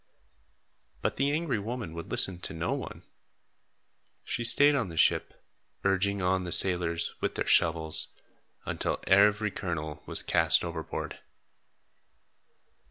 But the angry woman would listen to no one. She stayed on the ship, urging on the sailors, with their shovels, until every kernel was cast overboard.